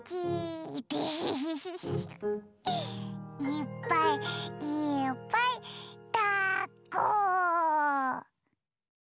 いっぱいいっぱいだっこ！